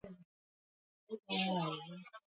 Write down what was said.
ambapo Sultan wa Oman akashika nchi